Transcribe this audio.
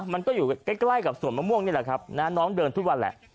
มันก็อยู่ใกล้กับสวนมะม่วงนี่แหละครับนะน้องเดินทุกวันแหละ